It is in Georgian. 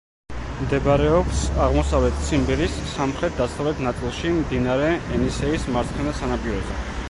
მდებარეობს აღმოსავლეთ ციმბირის სამხრეთ-დასავლეთ ნაწილში, მდინარე ენისეის მარცხენა სანაპიროზე.